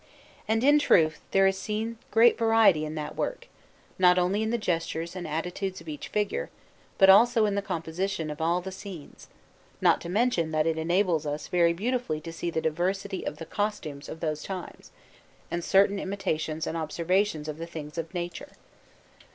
And in truth there is seen great variety in that work, not only in the gestures and attitudes of each figure but also in the composition of all the scenes; not to mention that it enables us very beautifully to see the diversity of the costumes of those times, and certain imitations and observations of the things of nature.